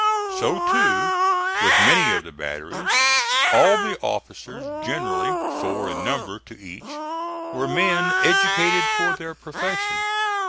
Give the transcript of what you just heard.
So, too, with many of the batteries; all the officers, generally four in number to each, were men educated for their profession.